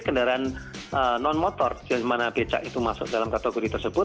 kendaraan non motor yang dimana becak itu masuk dalam kategori tersebut